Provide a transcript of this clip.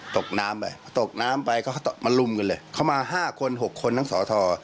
ตกน้ำไปตกน้ำไปก็มาลุมกันเลยเขามา๕คน๖คนทั้งสอทอ